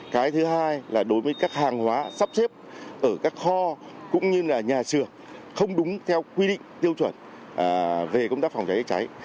cái thứ hai là đối với các hàng hóa sắp xếp ở các kho cũng như là nhà sửa không đúng theo quy định tiêu chuẩn về công tác phòng cháy cháy